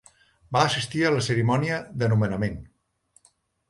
Va assistir a la cerimònia de nomenament.